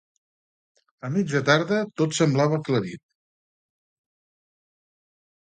A mitja tarda, tot semblava aclarit.